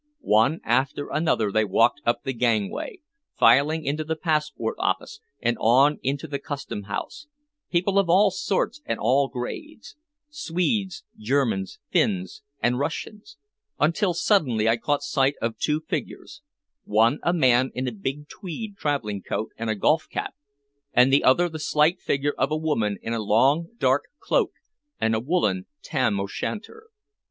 One after another they walked up the gangway, filing into the passport office and on into the Custom House, people of all sorts and all grades Swedes, Germans, Finns, and Russians until suddenly I caught sight of two figures one a man in a big tweed traveling coat and a golf cap, and the other the slight figure of a woman in a long dark cloak and a woolen tam o' shanter.